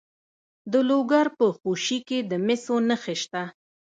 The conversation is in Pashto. د لوګر په خوشي کې د مسو نښې شته.